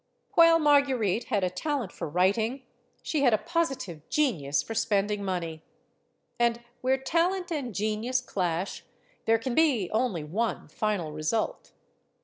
While Marguerite had a talent for writing, she had a positive genius for spending money. And where talent and genius clash, there can be only one final result.